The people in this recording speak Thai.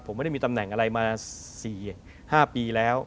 ผมไม่ได้มีตำแหน่งอะไรมา๔๕ปีแล้ว